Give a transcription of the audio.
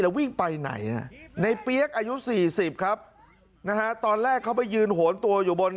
วิ่งไปไหนนะในเปี๊ยกอายุ๔๐ครับนะฮะตอนแรกเขาไปยืนโหนตัวอยู่บน